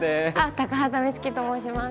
高畑充希と申します。